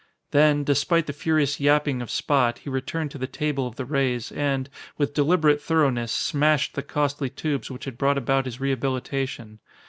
Then, despite the furious yapping of Spot, he returned to the table of the rays and, with deliberate thoroughness smashed the costly tubes which had brought about his rehabilitation.